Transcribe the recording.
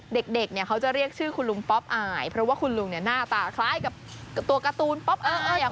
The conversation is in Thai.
เด็กเนี่ยเขาจะเรียกชื่อคุณลุงป๊อปอายเพราะว่าคุณลุงเนี่ยหน้าตาคล้ายกับตัวการ์ตูนป๊อปอาย